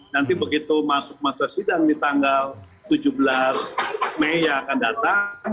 nanti begitu masuk masa sidang di tanggal tujuh belas mei yang akan datang